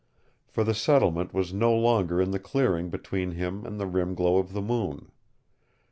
For the settlement was no longer in the clearing between him and the rim glow of the moon.